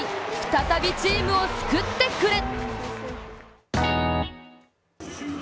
再びチームを救ってくれ！